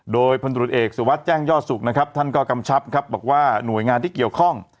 โดยพันธุรกิจเอกสุวัสดิ์แจ้งยอดสุขนะครับท่านก็กำชับครับบอกว่าหน่วยงานที่เกี่ยวข้อง